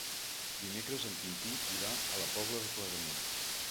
Dimecres en Quintí irà a la Pobla de Claramunt.